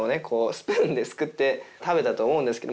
スプーンですくって食べたと思うんですけど。